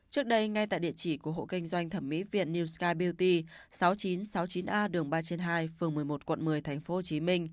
trước đây ngay tại địa chỉ của hộ kinh doanh thẩm mỹ viện newsky beauty sáu nghìn chín trăm sáu mươi chín a đường ba trên hai phường một mươi một quận một mươi tp hcm